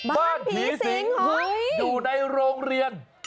บ้านผีสิงอยู่ในโรงเรียน